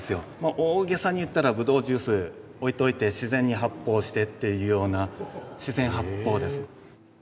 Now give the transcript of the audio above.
大げさにいったらブドウジュース置いといて自然に発泡してっていうような自然発泡です。